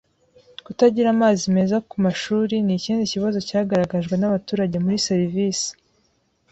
Kutagira amazi meza ku mashuri ni ikindi kibazo cyagaragajwe n abaturage muri serivisi